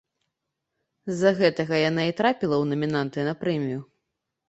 З-за гэтага яна і трапіла ў намінанты на прэмію.